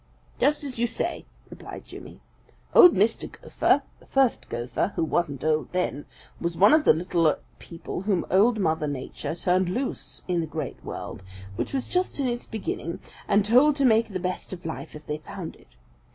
"Just as you say," replied Jimmy. "Old Mr. Gopher, the first Gopher, who wasn't old then, was one of the little people whom Old Mother Nature turned loose in the Great World which was just in its beginning and told to make the best of life as they found it.